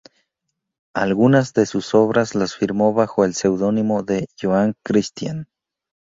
Algunas de sus obras las firmó bajo el pseudónimo de "Joan Christian".